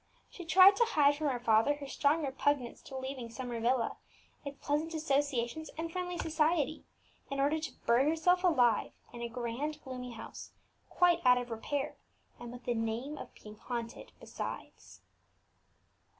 She tried to hide from her father her strong repugnance to leaving Summer Villa, its pleasant associations and friendly society, in order to bury herself alive in a grand, gloomy house, quite out of repair, and with the name of being haunted besides.